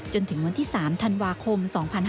จนถึงวันที่๓ธันวาคม๒๕๕๙